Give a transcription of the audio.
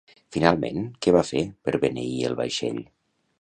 Finalment, què va fer per beneir el vaixell?